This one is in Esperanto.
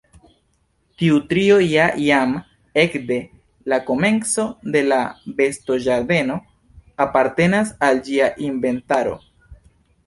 Tiu trio ja jam ekde la komenco de la bestoĝardeno apartenas al ĝia inventaro.